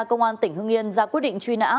công an tỉnh hưng yên ra quyết định truy nã